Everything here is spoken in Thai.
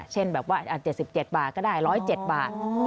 เช่น๗๗บาทก็ได้๑๐๗บาท